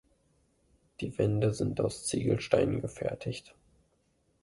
Die Wände sind aus Ziegelsteinen gefertigt.